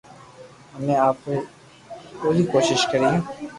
امي آپري پوري ڪوݾݾ ڪريو